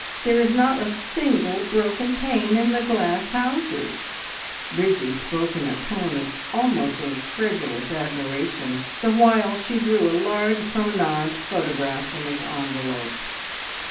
There is not a single broken pane in the glass houses!" Bridgie spoke in a tone of almost incredulous admiration, the while she drew a large promenade photograph from its envelope.